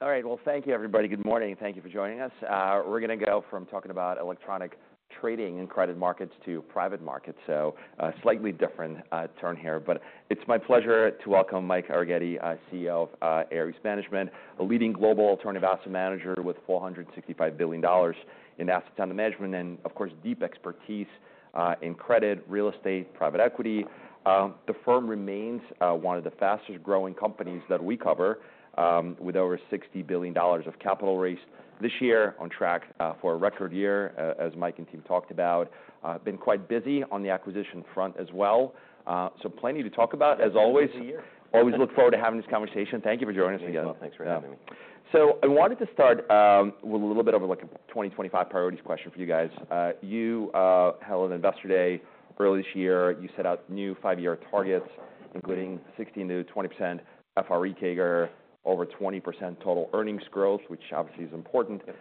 All right. Thank you, everybody. Good morning. Thank you for joining us. We're gonna go from talking about electronic trading in crowded markets to private markets. Slightly different turn here. But it's my pleasure to welcome Mike Arougheti, CEO of Ares Management, a leading global alternative asset manager with $465 billion in assets under management and, of course, deep expertise in credit, real estate, private equity. The firm remains one of the fastest-growing companies that we cover, with over $60 billion of capital raised this year on track for a record year, as Mike and team talked about. Been quite busy on the acquisition front as well. Plenty to talk about, as always. Happy year. Always look forward to having this conversation. Thank you for joining us again. Thanks for having me. So I wanted to start with a little bit of, like, a 2025 priorities question for you guys. You held an Investor Day earlier this year. You set out new five-year targets, including 16%-20% FRE CAGR, over 20% total earnings growth, which obviously is important. Yep.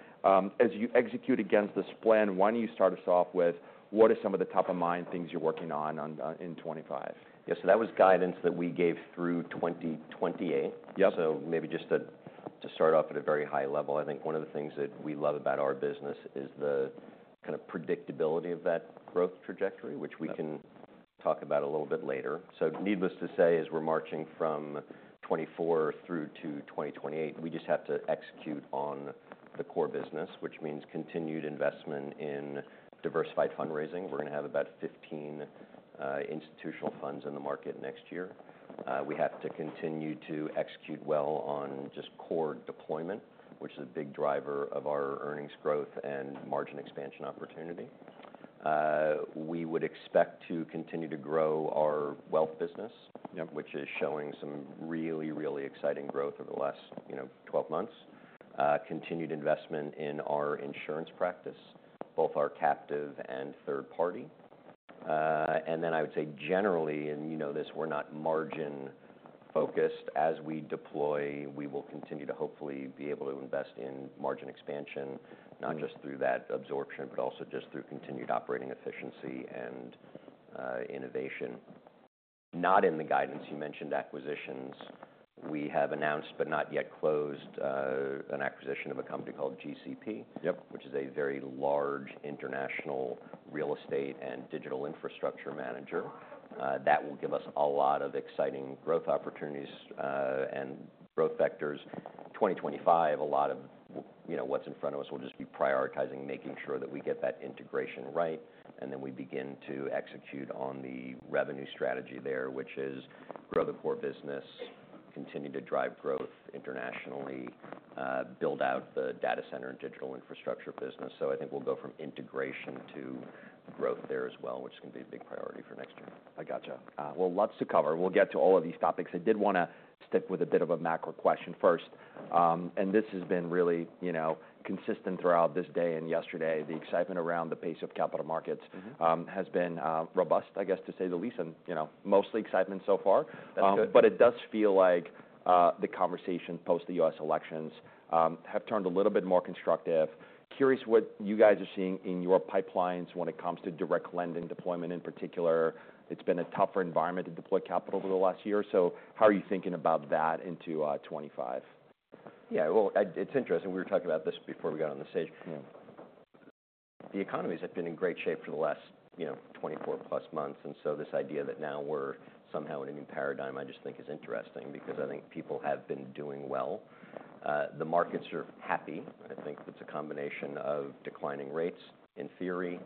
As you execute against this plan, why don't you start us off with what are some of the top-of-mind things you're working on in 2025? Yeah. So that was guidance that we gave through 2028. Yep. Maybe just to start off at a very high level, I think one of the things that we love about our business is the kind of predictability of that growth trajectory, which we can talk about a little bit later. Needless to say, as we're marching from 2024 through to 2028, we just have to execute on the core business, which means continued investment in diversified fundraising. We're gonna have about 15 institutional funds in the market next year. We have to continue to execute well on just core deployment, which is a big driver of our earnings growth and margin expansion opportunity. We would expect to continue to grow our wealth business. Yep. Which is showing some really, really exciting growth over the last, you know, 12 months. Continued investment in our insurance practice, both our captive and third-party, and then I would say generally, and you know this, we're not margin-focused. As we deploy, we will continue to hopefully be able to invest in margin expansion, not just through that absorption, but also just through continued operating efficiency and innovation. Not in the guidance you mentioned, acquisitions. We have announced but not yet closed an acquisition of a company called GCP. Yep. Which is a very large international real estate and digital infrastructure manager that will give us a lot of exciting growth opportunities, and growth vectors. 2025, a lot of, you know, what's in front of us will just be prioritizing, making sure that we get that integration right, and then we begin to execute on the revenue strategy there, which is grow the core business, continue to drive growth internationally, build out the data center and digital infrastructure business. So I think we'll go from integration to growth there as well, which is gonna be a big priority for next year. I gotcha. Well, lots to cover. We'll get to all of these topics. I did wanna stick with a bit of a macro question first, and this has been really, you know, consistent throughout this day and yesterday. The excitement around the pace of capital markets. Mm-hmm. Has been robust, I guess, to say the least, and you know, mostly excitement so far. That's good. But it does feel like the conversations post the U.S. elections have turned a little bit more constructive. Curious what you guys are seeing in your pipelines when it comes to direct lending deployment in particular. It's been a tougher environment to deploy capital over the last year. So how are you thinking about that into 2025? Yeah. Well, it's interesting. We were talking about this before we got on the stage. Yeah. The economies have been in great shape for the last, you know, 24+ months. And so this idea that now we're somehow in a new paradigm, I just think is interesting because I think people have been doing well. The markets are happy. I think it's a combination of declining rates in theory,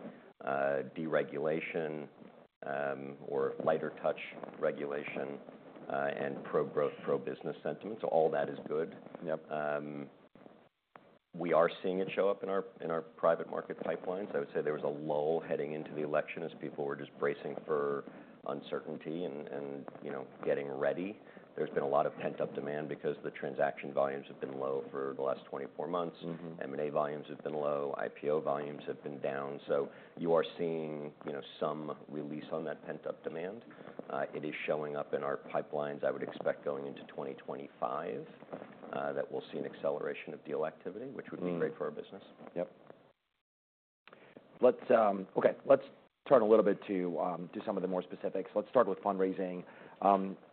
deregulation, or lighter-touch regulation, and pro-growth, pro-business sentiment. So all that is good. Yep. We are seeing it show up in our private market pipelines. I would say there was a lull heading into the election as people were just bracing for uncertainty and, you know, getting ready. There's been a lot of pent-up demand because the transaction volumes have been low for the last 24 months. Mm-hmm. M&A volumes have been low. IPO volumes have been down. So you are seeing, you know, some release on that pent-up demand. It is showing up in our pipelines. I would expect going into 2025, that we'll see an acceleration of deal activity, which would be great for our business. Mm-hmm. Yep. Let's turn a little bit to some of the more specifics. Let's start with fundraising.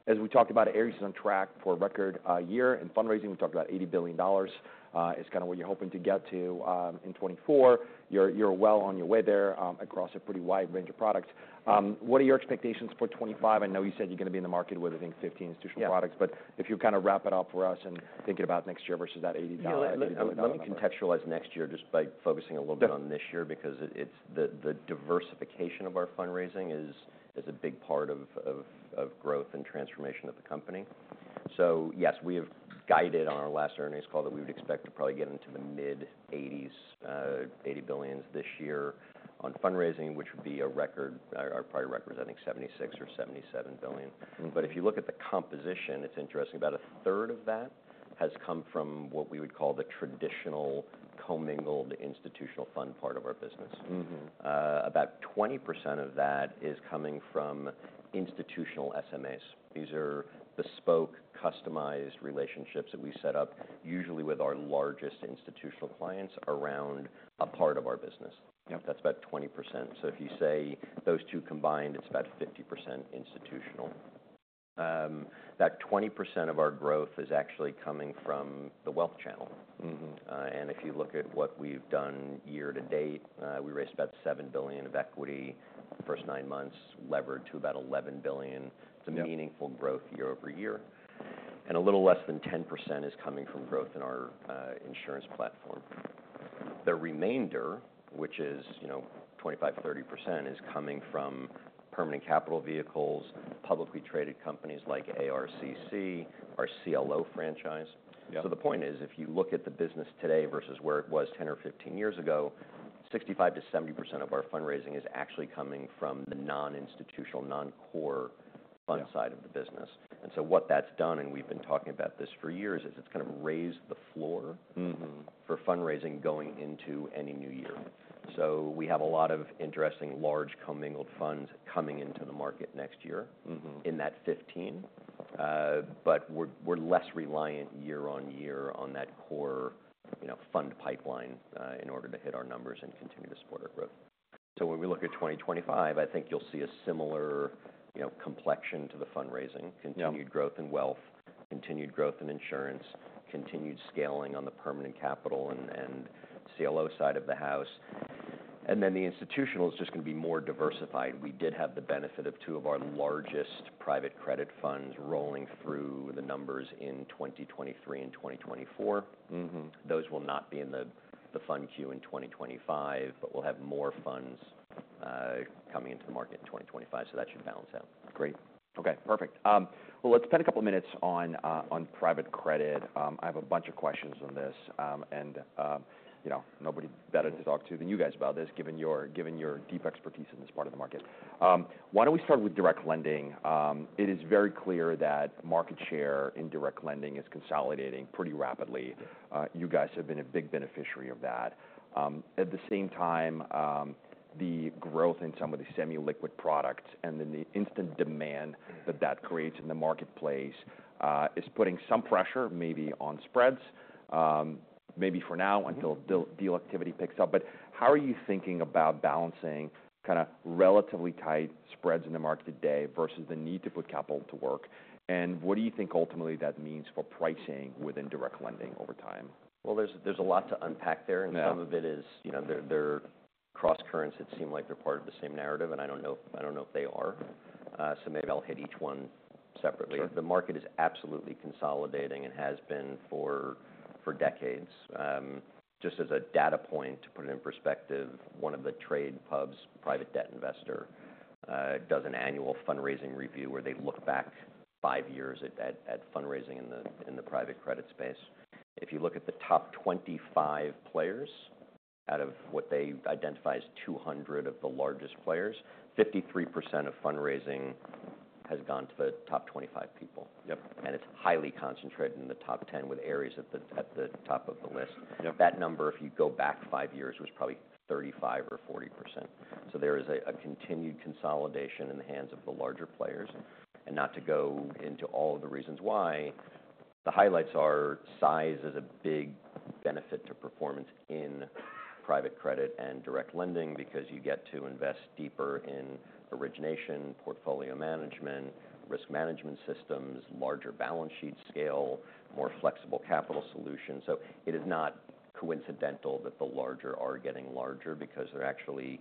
As we talked about, Ares is on track for a record year in fundraising. We talked about $80 billion, is kinda what you're hoping to get to, in 2024. You're well on your way there, across a pretty wide range of products. What are your expectations for 2025? I know you said you're gonna be in the market with, I think, 15 institutional products. Yep. But if you kinda wrap it up for us and thinking about next year versus that $80 billion. Yeah. Let me contextualize next year just by focusing a little bit on this year because it's the diversification of our fundraising is a big part of growth and transformation of the company. So yes, we have guided on our last earnings call that we would expect to probably get into the mid-'80s, $80 billion this year on fundraising, which would be a record, or probably a record, I think, $76 billion or $77 billion. Mm-hmm. But if you look at the composition, it's interesting. About a 1/3 of that has come from what we would call the traditional commingled institutional fund part of our business. Mm-hmm. about 20% of that is coming from institutional SMAs. These are bespoke, customized relationships that we set up usually with our largest institutional clients around a part of our business. Yep. That's about 20%. So if you say those two combined, it's about 50% institutional. About 20% of our growth is actually coming from the wealth channel. Mm-hmm. And if you look at what we've done year-to-date, we raised about $7 billion of equity the first nine months, levered to about $11 billion. Yeah. It's a meaningful growth year over year. A little less than 10% is coming from growth in our insurance platform. The remainder, which is, you know, 25%-30%, is coming from permanent capital vehicles, publicly traded companies like ARCC, our CLO franchise. Yep. So the point is, if you look at the business today versus where it was 10 or 15 years ago, 65%-70% of our fundraising is actually coming from the non-institutional, non-core fund side of the business. Mm-hmm. And so, what that's done, and we've been talking about this for years, is it's kind of raised the floor. Mm-hmm. For fundraising going into any new year. So we have a lot of interesting large commingled funds coming into the market next year. Mm-hmm. In that 2015, but we're less reliant year on year on that core, you know, fund pipeline, in order to hit our numbers and continue to support our growth. So when we look at 2025, I think you'll see a similar, you know, complexion to the fundraising. Yep. Continued growth in wealth, continued growth in insurance, continued scaling on the permanent capital and CLO side of the house. And then the institutional is just gonna be more diversified. We did have the benefit of two of our largest private credit funds rolling through the numbers in 2023 and 2024. Mm-hmm. Those will not be in the fund queue in 2025, but we'll have more funds coming into the market in 2025, so that should balance out. Great. Okay. Perfect. Well, let's spend a couple of minutes on private credit. I have a bunch of questions on this, and you know, nobody better to talk to than you guys about this, given your deep expertise in this part of the market. Why don't we start with direct lending? It is very clear that market share in direct lending is consolidating pretty rapidly. You guys have been a big beneficiary of that. At the same time, the growth in some of the semi-liquid products and then the instant demand. Mm-hmm. That creates in the marketplace is putting some pressure maybe on spreads, maybe for now until deal activity picks up. But how are you thinking about balancing kinda relatively tight spreads in the market today versus the need to put capital to work? And what do you think ultimately that means for pricing within direct lending over time? There's a lot to unpack there. Yeah. And some of it is, you know, they're cross-currents. It seemed like they're part of the same narrative, and I don't know if they are. So maybe I'll hit each one separately. Sure. The market is absolutely consolidating and has been for decades. Just as a data point to put it in perspective, one of the trade pubs, Private Debt Investor, does an annual fundraising review where they look back five years at fundraising in the private credit space. If you look at the top 25 players out of what they identify as 200 of the largest players, 53% of fundraising has gone to the top 25 people. Yep. It's highly concentrated in the top 10 with Ares at the top of the list. Yep. That number, if you go back five years, was probably 35% or 40%. So there is a continued consolidation in the hands of the larger players. And not to go into all of the reasons why, the highlights are size is a big benefit to performance in private credit and direct lending because you get to invest deeper in origination, portfolio management, risk management systems, larger balance sheet scale, more flexible capital solutions. So it is not coincidental that the larger are getting larger because they're actually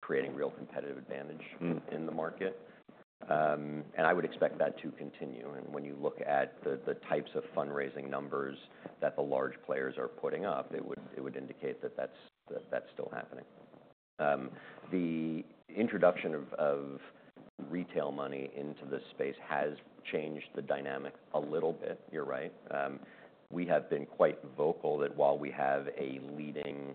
creating real competitive advantage. Mm-hmm. In the market, and I would expect that to continue. And when you look at the types of fundraising numbers that the large players are putting up, it would indicate that that's still happening. The introduction of retail money into the space has changed the dynamic a little bit. You're right. We have been quite vocal that while we have a leading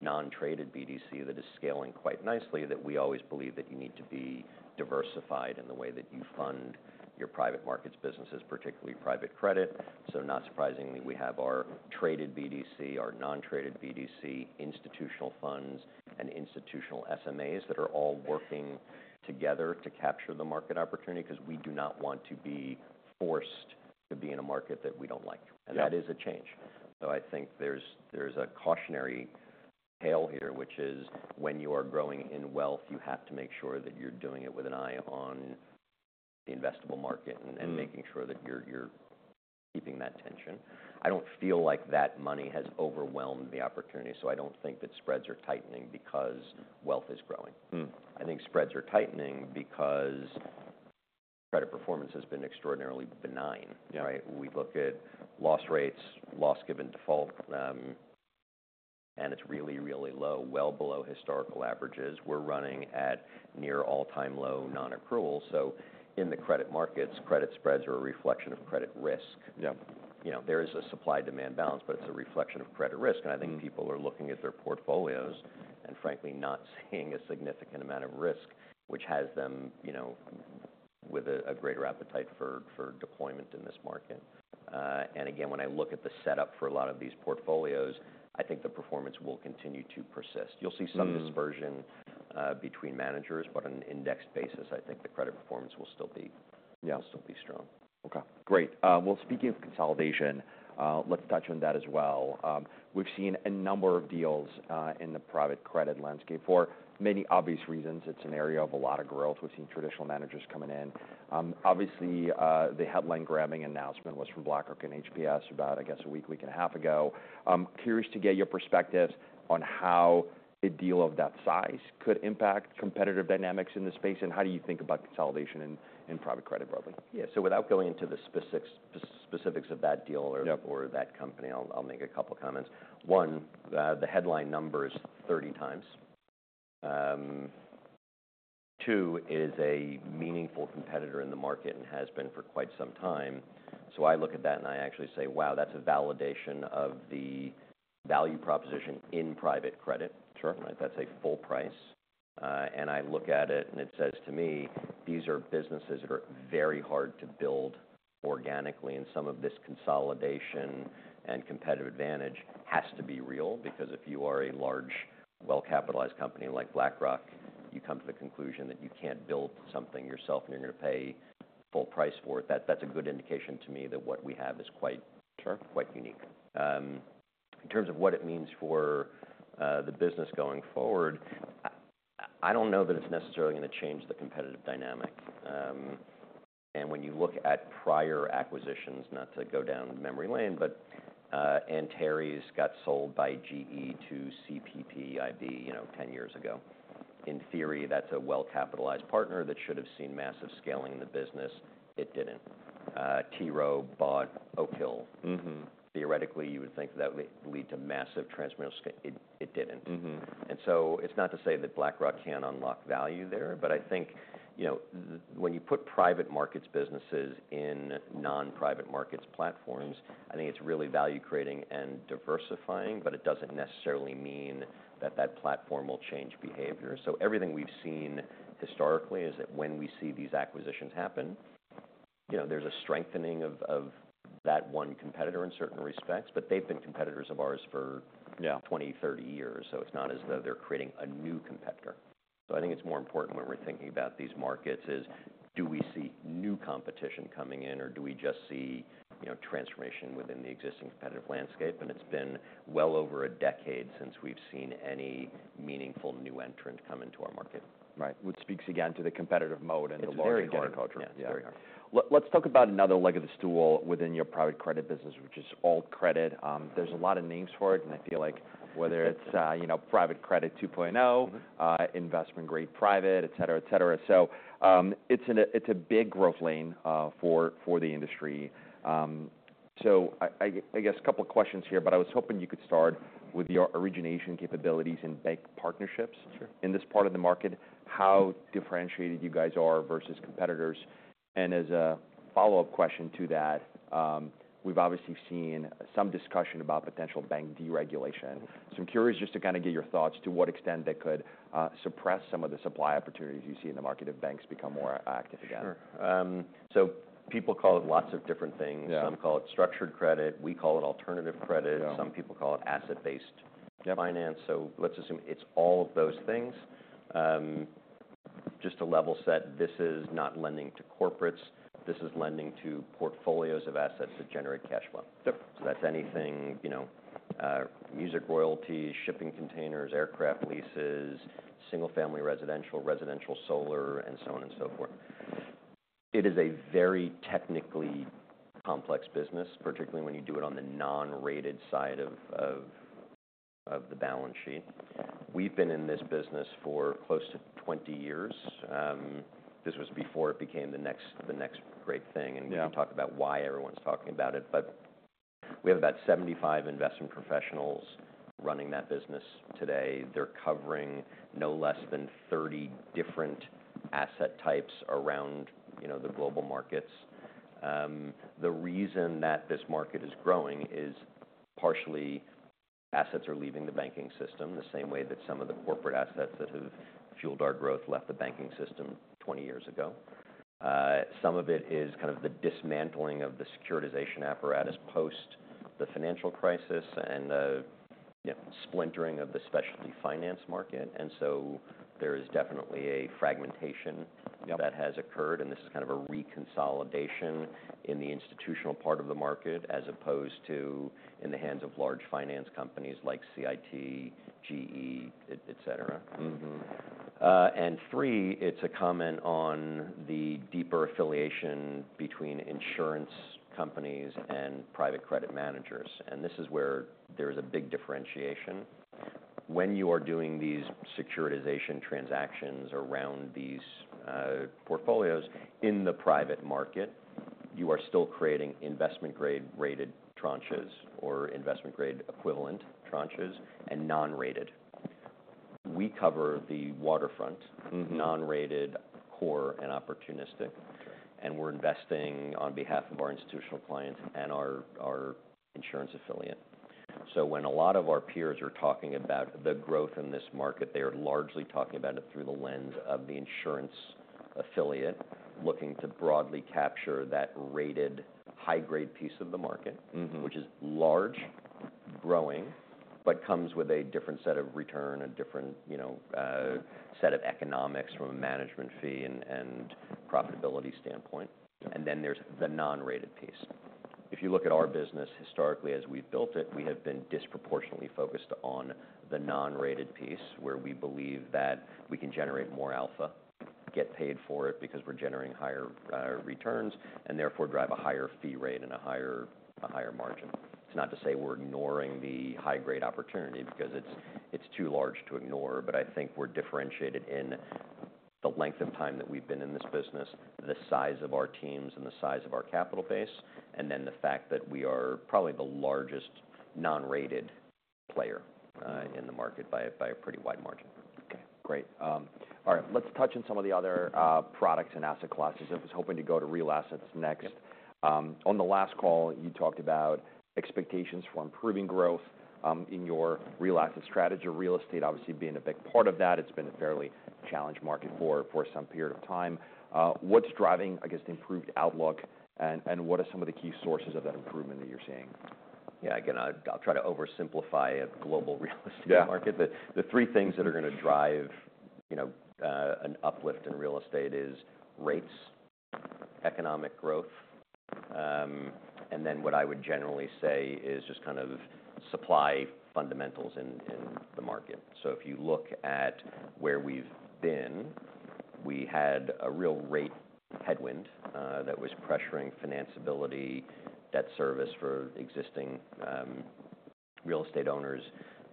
non-traded BDC that is scaling quite nicely, that we always believe that you need to be diversified in the way that you fund your private markets businesses, particularly private credit. So not surprisingly, we have our traded BDC, our non-traded BDC, institutional funds, and institutional SMAs that are all working together to capture the market opportunity 'cause we do not want to be forced to be in a market that we don't like. Yep. That is a change. So I think there's a cautionary tale here, which is when you are growing in wealth, you have to make sure that you're doing it with an eye on the investable market and making sure that you're keeping that tension. I don't feel like that money has overwhelmed the opportunity. So I don't think that spreads are tightening because wealth is growing. I think spreads are tightening because credit performance has been extraordinarily benign. Yep. Right? We look at loss rates, loss given default, and it's really, really low, well below historical averages. We're running at near all-time low non-accrual. So in the credit markets, credit spreads are a reflection of credit risk. Yep. You know, there is a supply-demand balance, but it's a reflection of credit risk. Mm-hmm. And I think people are looking at their portfolios and, frankly, not seeing a significant amount of risk, which has them, you know, with a greater appetite for deployment in this market. And again, when I look at the setup for a lot of these portfolios, I think the performance will continue to persist. You'll see some dispersion between managers, but on an indexed basis, I think the credit performance will still be. Yeah. Will still be strong. Okay. Great. Well, speaking of consolidation, let's touch on that as well. We've seen a number of deals in the private credit landscape for many obvious reasons. It's an area of a lot of growth. We've seen traditional managers coming in. Obviously, the headline-grabbing announcement was from BlackRock and HPS about, I guess, a week, week and a half ago. Curious to get your perspectives on how a deal of that size could impact competitive dynamics in this space, and how do you think about consolidation in, in private credit broadly? Yeah. So without going into the specifics of that deal or. Yep. Or that company, I'll make a couple of comments. One, the headline number is 30X. Two, it is a meaningful competitor in the market and has been for quite some time. So I look at that and I actually say, "Wow, that's a validation of the value proposition in private credit. Sure. Right? That's a full price, and I look at it and it says to me, "These are businesses that are very hard to build organically," and some of this consolidation and competitive advantage has to be real because if you are a large, well-capitalized company like BlackRock, you come to the conclusion that you can't build something yourself and you're gonna pay full price for it. That's a good indication to me that what we have is quite. Sure. Quite unique in terms of what it means for the business going forward. I don't know that it's necessarily gonna change the competitive dynamic, and when you look at prior acquisitions, not to go down memory lane, but Antares got sold by GE to CPPIB, you know, 10 years ago. In theory, that's a well-capitalized partner that should have seen massive scaling in the business. It didn't. T. Rowe bought Oak Hill. Mm-hmm. Theoretically, you would think that that would lead to massive transmittal scale. It, it didn't. Mm-hmm. And so it's not to say that BlackRock can't unlock value there, but I think, you know, when you put private markets businesses in non-private markets platforms, I think it's really value-creating and diversifying, but it doesn't necessarily mean that that platform will change behavior. So everything we've seen historically is that when we see these acquisitions happen, you know, there's a strengthening of that one competitor in certain respects, but they've been competitors of ours for. Yeah. 20, 30 years. So it's not as though they're creating a new competitor. So I think it's more important when we're thinking about these markets is, do we see new competition coming in or do we just see, you know, transformation within the existing competitive landscape? And it's been well over a decade since we've seen any meaningful new entrant come into our market. Right. Which speaks again to the competitive moat and the loyalty there. It's very hard culture. Yeah. Yeah. Yeah. Very hard. Let's talk about another leg of the stool within your private credit business, which is all credit. There's a lot of names for it, and I feel like whether it's, you know, private credit 2.0. Mm-hmm. Investment-grade private, etc., etc. It's a big growth lane for the industry. I guess a couple of questions here, but I was hoping you could start with your origination capabilities and bank partnerships. Sure. In this part of the market, how differentiated you guys are versus competitors? And as a follow-up question to that, we've obviously seen some discussion about potential bank deregulation. So I'm curious just to kinda get your thoughts to what extent that could suppress some of the supply opportunities you see in the market if banks become more active again. Sure. So people call it lots of different things. Yeah. Some call it structured credit. We call it alternative credit. Yeah. Some people call it asset-based. Yep. Finance. So let's assume it's all of those things. Just to level set, this is not lending to corporates. This is lending to portfolios of assets that generate cash flow. Yep. So that's anything, you know, music royalties, shipping containers, aircraft leases, single-family residential, residential solar, and so on and so forth. It is a very technically complex business, particularly when you do it on the non-rated side of the balance sheet. We've been in this business for close to 20 years. This was before it became the next great thing. Yeah. And we can talk about why everyone's talking about it, but we have about 75 investment professionals running that business today. They're covering no less than 30 different asset types around, you know, the global markets. The reason that this market is growing is partially assets are leaving the banking system the same way that some of the corporate assets that have fueled our growth left the banking system 20 years ago. Some of it is kind of the dismantling of the securitization apparatus post the financial crisis and the, you know, splintering of the specialty finance market. And so there is definitely a fragmentation. Yep. That has occurred, and this is kind of a reconsolidation in the institutional part of the market as opposed to in the hands of large finance companies like CIT, GE, etc. Mm-hmm. And three, it's a comment on the deeper affiliation between insurance companies and private credit managers. And this is where there's a big differentiation. When you are doing these securitization transactions around these portfolios in the private market, you are still creating investment-grade rated tranches or investment-grade equivalent tranches and non-rated. We cover the waterfront. Mm-hmm. Non-rated, core, and opportunistic. Sure. And we're investing on behalf of our institutional client and our insurance affiliate. So when a lot of our peers are talking about the growth in this market, they are largely talking about it through the lens of the insurance affiliate looking to broadly capture that rated high-grade piece of the market. Mm-hmm. Which is large, growing, but comes with a different set of return, a different, you know, set of economics from a management fee and profitability standpoint. Yeah. And then there's the non-rated piece. If you look at our business historically as we've built it, we have been disproportionately focused on the non-rated piece where we believe that we can generate more alpha, get paid for it because we're generating higher returns, and therefore drive a higher fee rate and a higher margin. It's not to say we're ignoring the high-grade opportunity because it's too large to ignore, but I think we're differentiated in the length of time that we've been in this business, the size of our teams, and the size of our capital base, and then the fact that we are probably the largest non-rated player in the market by a pretty wide margin. Okay. Great. All right. Let's touch on some of the other products and asset classes. I was hoping to go to real assets next. Yep. On the last call, you talked about expectations for improving growth in your real asset strategy, real estate obviously being a big part of that. It's been a fairly challenged market for some period of time. What's driving, I guess, the improved outlook and what are some of the key sources of that improvement that you're seeing? Yeah. Again, I'll try to oversimplify a global real estate market. Yeah. The three things that are gonna drive, you know, an uplift in real estate is rates, economic growth, and then what I would generally say is just kind of supply fundamentals in the market. So if you look at where we've been, we had a real rate headwind, that was pressuring financeability, debt service for existing real estate owners,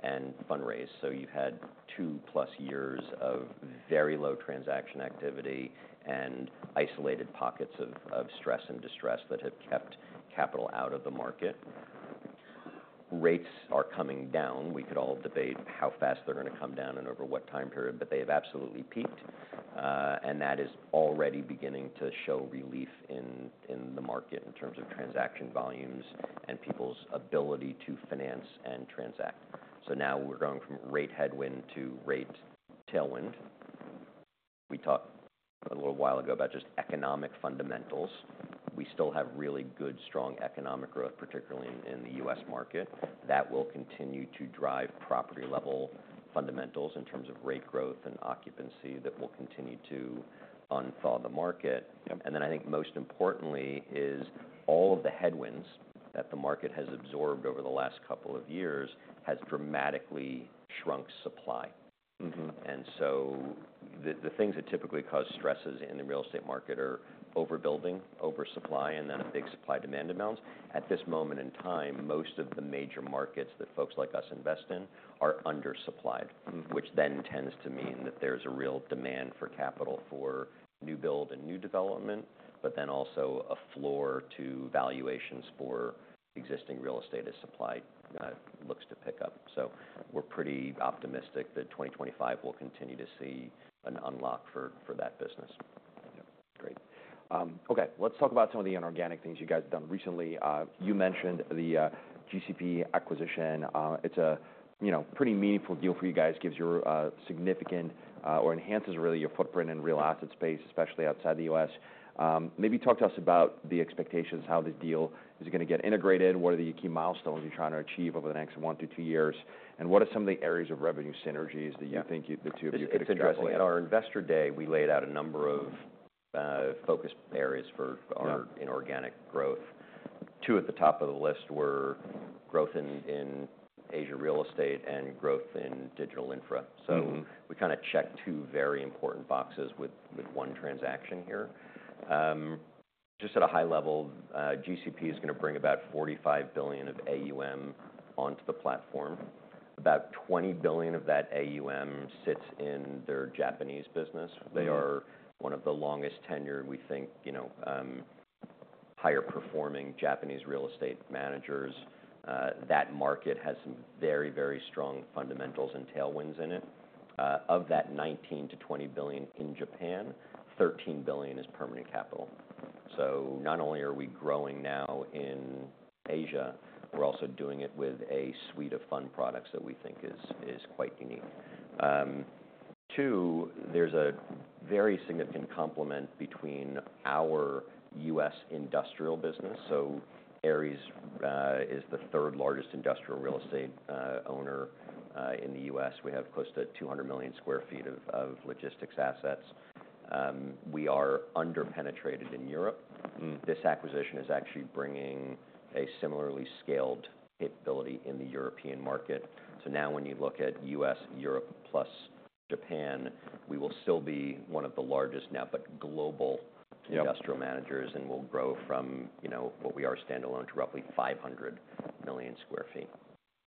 and fundraise. So you've had two-plus years of very low transaction activity and isolated pockets of stress and distress that have kept capital out of the market. Rates are coming down. We could all debate how fast they're gonna come down and over what time period, but they have absolutely peaked, and that is already beginning to show relief in the market in terms of transaction volumes and people's ability to finance and transact. So now we're going from rate headwind to rate tailwind. We talked a little while ago about just economic fundamentals. We still have really good, strong economic growth, particularly in, in the U.S. market. That will continue to drive property-level fundamentals in terms of rate growth and occupancy that will continue to unthaw the market. Yep. And then I think most importantly is all of the headwinds that the market has absorbed over the last couple of years has dramatically shrunk supply. Mm-hmm. The things that typically cause stresses in the real estate market are overbuilding, oversupply, and then a big supply-demand imbalance. At this moment in time, most of the major markets that folks like us invest in are undersupplied. Mm-hmm. Which then tends to mean that there's a real demand for capital for new build and new development, but then also a floor to valuations for existing real estate as supply looks to pick up, so we're pretty optimistic that 2025 will continue to see an unlock for that business. Yep. Great. Okay. Let's talk about some of the inorganic things you guys have done recently. You mentioned the GCP acquisition. It's a, you know, pretty meaningful deal for you guys. Gives your, significant, or enhances really your footprint in real asset space, especially outside the U.S. Maybe talk to us about the expectations, how this deal is gonna get integrated, what are the key milestones you're trying to achieve over the next one to two years, and what are some of the areas of revenue synergies that you think you the two of you could explore? Yeah. It's interesting. At our Investor Day, we laid out a number of focus areas for our. Sure. Inorganic growth. Two at the top of the list were growth in Asia real estate and growth in digital infra. Mm-hmm. So we kinda checked two very important boxes with one transaction here. Just at a high level, GCP is gonna bring about $45 billion of AUM onto the platform. About $20 billion of that AUM sits in their Japanese business. Mm-hmm. They are one of the longest tenured, we think, you know, higher-performing Japanese real estate managers. That market has some very, very strong fundamentals and tailwinds in it. Of that $19-$20 billion in Japan, $13 billion is permanent capital. So not only are we growing now in Asia, we're also doing it with a suite of fund products that we think is quite unique. Two, there's a very significant complement between our U.S. industrial business. So Ares is the third-largest industrial real estate owner in the U.S. We have close to 200 million sq ft of logistics assets. We are underpenetrated in Europe. Mm-hmm. This acquisition is actually bringing a similarly scaled capability in the European market. So now when you look at U.S., Europe, plus Japan, we will still be one of the largest now, but global. Yep. Industrial managers and will grow from, you know, what we are standalone to roughly 500 million sq ft.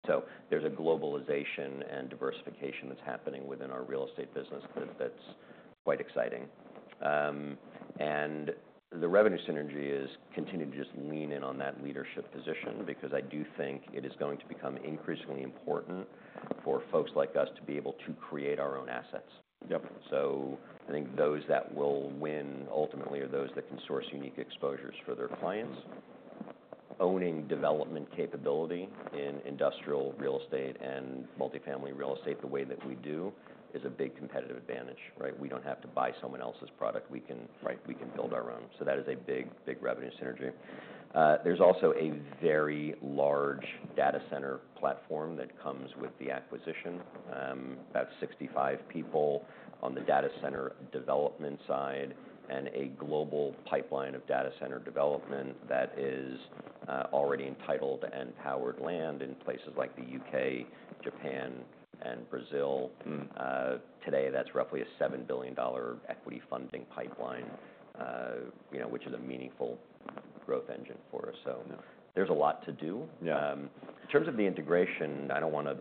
So there's a globalization and diversification that's happening within our real estate business that, that's quite exciting, and the revenue synergy is continuing to just lean in on that leadership position because I do think it is going to become increasingly important for folks like us to be able to create our own assets. Yep. So I think those that will win ultimately are those that can source unique exposures for their clients. Owning development capability in industrial real estate and multifamily real estate the way that we do is a big competitive advantage, right? We don't have to buy someone else's product. We can. Right. We can build our own. So that is a big, big revenue synergy. There's also a very large data center platform that comes with the acquisition, about 65 people on the data center development side and a global pipeline of data center development that is already entitled and powered land in places like the U.K., Japan, and Brazil. Mm-hmm. today that's roughly a $7 billion equity funding pipeline, you know, which is a meaningful growth engine for us. So. Yeah. There's a lot to do. Yeah. In terms of the integration, I don't wanna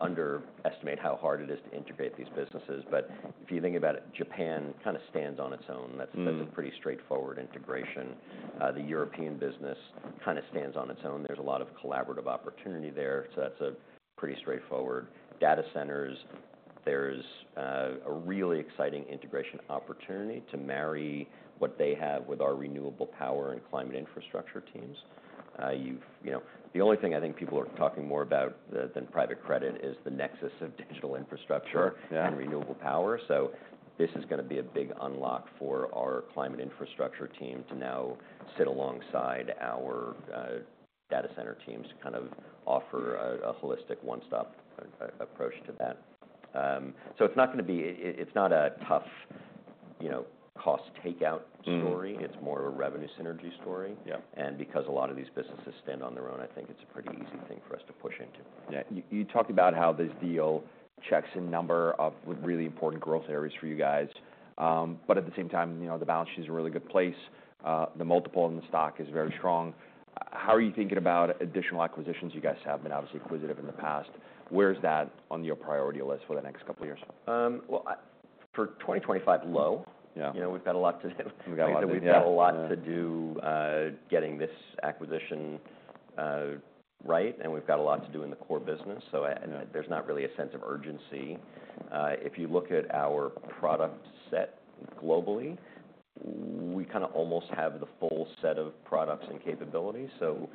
underestimate how hard it is to integrate these businesses, but if you think about it, Japan kinda stands on its own. That's. Mm-hmm. That's a pretty straightforward integration. The European business kinda stands on its own. There's a lot of collaborative opportunity there. So that's a pretty straightforward. Data centers, there's a really exciting integration opportunity to marry what they have with our renewable power and climate infrastructure teams. You know, the only thing I think people are talking more about than private credit is the nexus of digital infrastructure. Sure. Yeah. And renewable power. So this is gonna be a big unlock for our climate infrastructure team to now sit alongside our data center teams to kind of offer a holistic one-stop approach to that. So it's not gonna be. It's not a tough, you know, cost takeout story. Mm-hmm. It's more of a revenue synergy story. Yep. Because a lot of these businesses stand on their own, I think it's a pretty easy thing for us to push into. Yeah. You talked about how this deal checks a number of really important growth areas for you guys. But at the same time, you know, the balance sheet is a really good place. The multiple in the stock is very strong. How are you thinking about additional acquisitions? You guys have been obviously acquisitive in the past. Where's that on your priority list for the next couple of years? Well, for 2025, low. Yeah. You know, we've got a lot to do. We've got a lot to do. We've got a lot to do, getting this acquisition, right, and we've got a lot to do in the core business, so I and. Yeah. There's not really a sense of urgency. If you look at our product set globally, we kinda almost have the full set of products and capabilities. So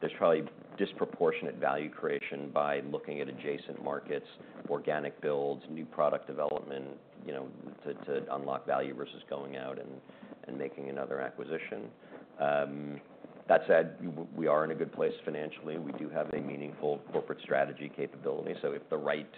there's probably disproportionate value creation by looking at adjacent markets, organic builds, new product development, you know, to unlock value versus going out and making another acquisition. That said, we are in a good place financially. We do have a meaningful corporate strategy capability. So if the right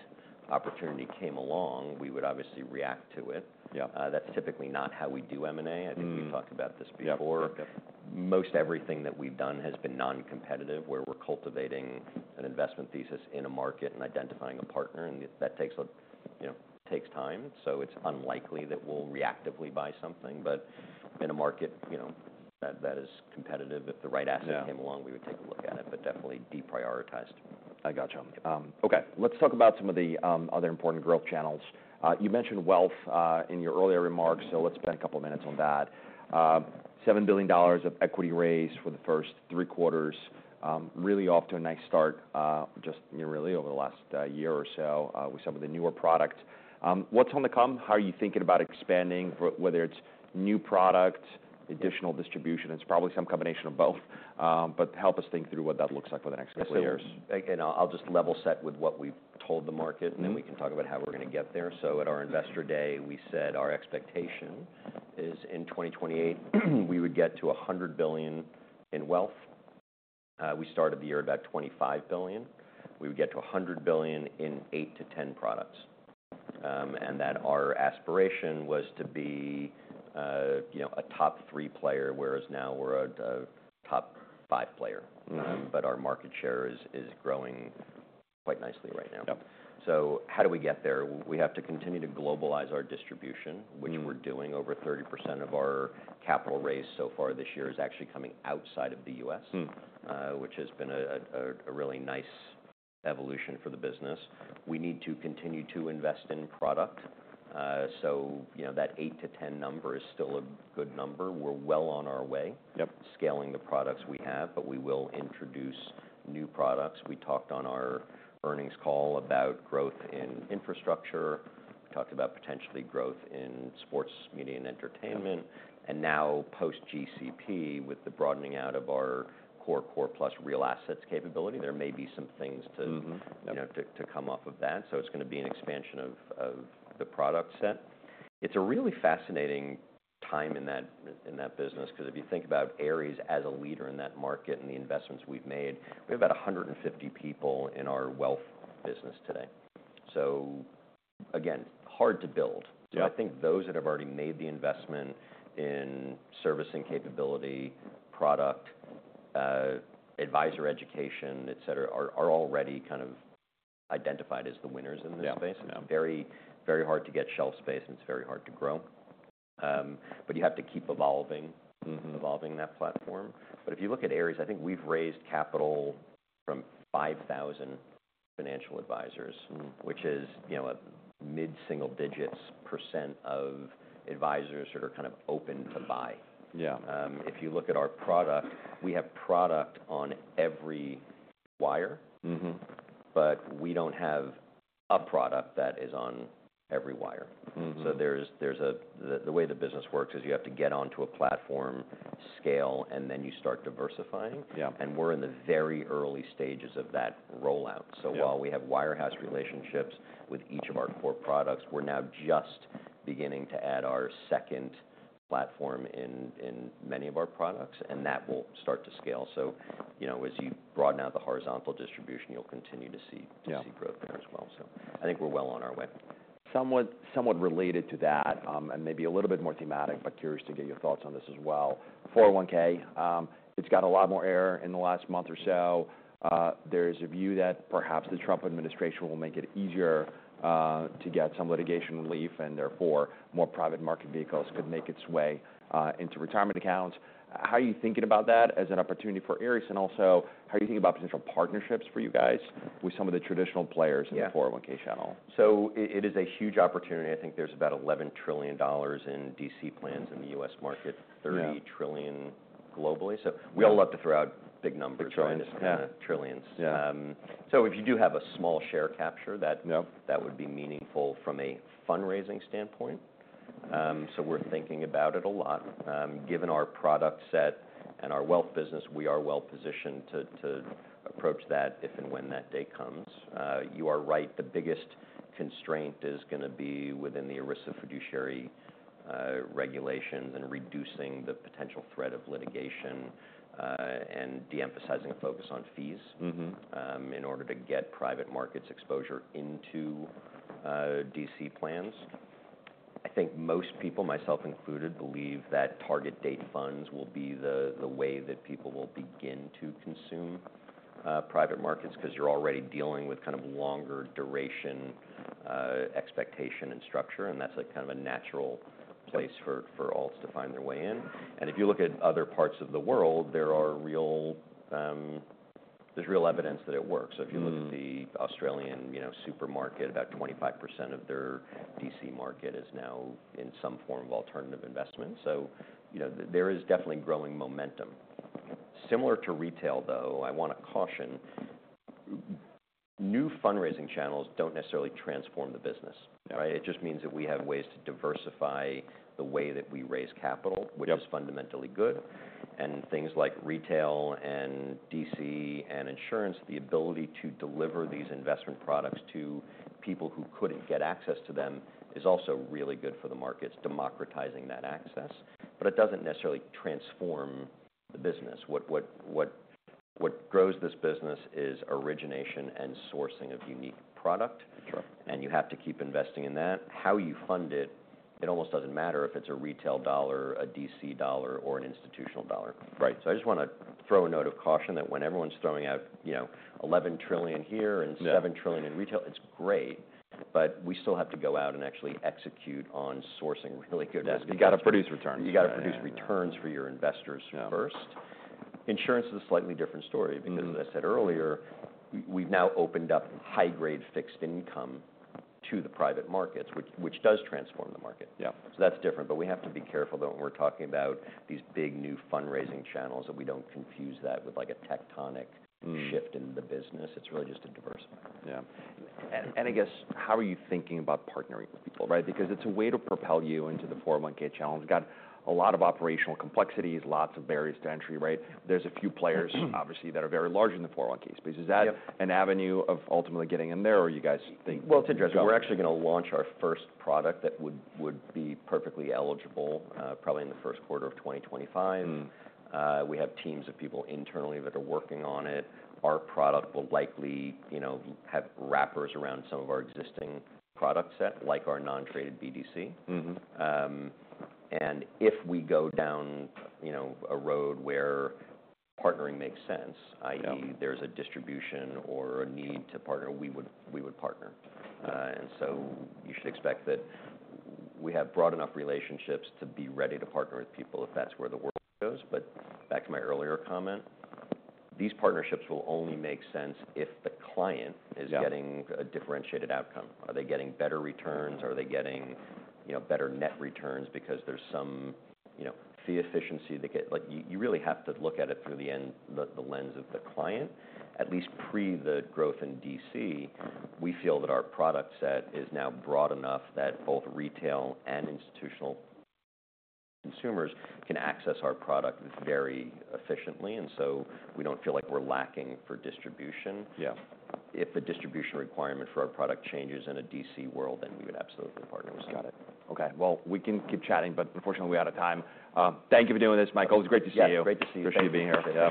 opportunity came along, we would obviously react to it. Yep. That's typically not how we do M&A. Mm-hmm. I think we've talked about this before. Yeah. Yep. Most everything that we've done has been non-competitive where we're cultivating an investment thesis in a market and identifying a partner. And that, you know, takes time. So it's unlikely that we'll reactively buy something. But in a market, you know, that is competitive. If the right asset. Yeah. Came along, we would take a look at it, but definitely deprioritized. I gotcha. Okay. Let's talk about some of the other important growth channels. You mentioned wealth in your earlier remarks, so let's spend a couple of minutes on that. $7 billion of equity raise for the first three quarters, really off to a nice start, just, you know, really over the last year or so, with some of the newer product. What's on the come? How are you thinking about expanding, whether it's new product, additional distribution? It's probably some combination of both, but help us think through what that looks like for the next couple of years. Again, I'll just level set with what we've told the market. Mm-hmm. And then we can talk about how we're gonna get there. So at our Investor Day, we said our expectation is in 2028, we would get to $100 billion in wealth. We started the year at about $25 billion. We would get to $100 billion in 8-10 products. And that our aspiration was to be, you know, a top three player, whereas now we're a top five player. Mm-hmm. but our market share is growing quite nicely right now. Yep. So how do we get there? We have to continue to globalize our distribution. Mm-hmm. Which we're doing. Over 30% of our capital raise so far this year is actually coming outside of the U.S. Mm-hmm. Which has been a really nice evolution for the business. We need to continue to invest in product. So, you know, that 8 to 10 number is still a good number. We're well on our way. Yep. Scaling the products we have, but we will introduce new products. We talked on our earnings call about growth in infrastructure. We talked about potentially growth in sports, media, and entertainment. Mm-hmm. Now post-GCP, with the broadening out of our core, core plus real assets capability, there may be some things to. Mm-hmm. Yep. You know, to come off of that. So it's gonna be an expansion of the product set. It's a really fascinating time in that business 'cause if you think about Ares as a leader in that market and the investments we've made, we have about 150 people in our wealth business today. So again, hard to build. Yeah. I think those that have already made the investment in servicing capability, product, advisor education, etc., are already kind of identified as the winners in this space. Yeah. Yeah. Very, very hard to get shelf space, and it's very hard to grow. But you have to keep evolving. Mm-hmm. Evolving that platform. But if you look at Ares, I think we've raised capital from 5,000 financial advisors. Mm-hmm. Which is, you know, a mid-single digits % of advisors that are kind of open to buy. Yeah. If you look at our product, we have product on every wire. Mm-hmm. But we don't have a product that is on every wire. Mm-hmm. There's the way the business works is you have to get onto a platform, scale, and then you start diversifying. Yep. We're in the very early stages of that rollout. Yeah. So while we have wirehouse relationships with each of our core products, we're now just beginning to add our second platform in many of our products, and that will start to scale. So, you know, as you broaden out the horizontal distribution, you'll continue to see. Yeah. To see growth there as well. So I think we're well on our way. Somewhat, somewhat related to that, and maybe a little bit more thematic, but curious to get your thoughts on this as well. The 401(k) has got a lot more air in the last month or so. There's a view that perhaps the Trump administration will make it easier to get some litigation relief, and therefore more private market vehicles could make its way into retirement accounts. How are you thinking about that as an opportunity for Ares? And also, how are you thinking about potential partnerships for you guys with some of the traditional players in the 401(k) channel? Yeah, so it is a huge opportunity. I think there's about $11 trillion in DC plans in the U.S. market. Mm-hmm. $30 trillion globally, so we all love to throw out big numbers. It's true. But trillions, yeah. Yeah. So if you do have a small share capture, that. Yep. That would be meaningful from a fundraising standpoint, so we're thinking about it a lot. Given our product set and our wealth business, we are well positioned to approach that if and when that day comes. You are right. The biggest constraint is gonna be within the ERISA fiduciary regulations and reducing the potential threat of litigation, and de-emphasizing a focus on fees. Mm-hmm. In order to get private markets exposure into DC plans. I think most people, myself included, believe that target date funds will be the way that people will begin to consume private markets 'cause you're already dealing with kind of longer duration, expectation and structure. That's a kind of a natural place for alts to find their way in. If you look at other parts of the world, there's real evidence that it works. Mm-hmm. So if you look at the Australian, you know, Super market, about 25% of their DC market is now in some form of alternative investment. So, you know, there is definitely growing momentum. Similar to retail, though, I wanna caution, new fundraising channels don't necessarily transform the business, right? It just means that we have ways to diversify the way that we raise capital, which is fundamentally good. Yep. Things like retail and DC and insurance, the ability to deliver these investment products to people who couldn't get access to them is also really good for the markets, democratizing that access. But it doesn't necessarily transform the business. What grows this business is origination and sourcing of unique product. Sure. You have to keep investing in that. How you fund it, it almost doesn't matter if it's a retail dollar, a DC dollar, or an institutional dollar. Right. So I just wanna throw a note of caution that when everyone's throwing out, you know, $11 trillion here and $7 trillion in retail, it's great, but we still have to go out and actually execute on sourcing really good investments. You gotta produce returns. You gotta produce returns for your investors first. Insurance is a slightly different story because. Mm-hmm. As I said earlier, we've now opened up high-grade fixed income to the private markets, which does transform the market. Yeah. So that's different. But we have to be careful that when we're talking about these big new fundraising channels, that we don't confuse that with, like, a tectonic. Mm-hmm. Shift in the business. It's really just a diversifier. Yeah. And I guess, how are you thinking about partnering with people, right? Because it's a way to propel you into the 401(k) channels. It's got a lot of operational complexities, lots of barriers to entry, right? There's a few players. Mm-hmm. Obviously, that are very large in the 401(k) space. Is that? Yep. An avenue of ultimately getting in there, or you guys think. It's interesting. We're actually gonna launch our first product that would be perfectly eligible, probably in the first quarter of 2025. Mm-hmm. We have teams of people internally that are working on it. Our product will likely, you know, have wrappers around some of our existing product set, like our non-traded BDC. Mm-hmm. and if we go down, you know, a road where partnering makes sense, i.e. Yep. There's a distribution or a need to partner, we would partner, and so you should expect that we have broad enough relationships to be ready to partner with people if that's where the world goes. But back to my earlier comment, these partnerships will only make sense if the client is getting. Yep. A differentiated outcome. Are they getting better returns? Are they getting, you know, better net returns because there's some, you know, fee efficiency that get like, you really have to look at it through the end, the lens of the client. At least pre the growth in DC, we feel that our product set is now broad enough that both retail and institutional consumers can access our product very efficiently. And so we don't feel like we're lacking for distribution. Yeah. If the distribution requirement for our product changes in a DC world, then we would absolutely partner with you. Got it. Okay. Well, we can keep chatting, but unfortunately, we're out of time. Thank you for doing this, Michael. It was great to see you. Yeah. Great to see you too. Appreciate you being here. Yeah.